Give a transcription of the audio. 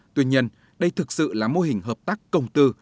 tuy nhiên đây thực sự là mô hình hợp tác công tư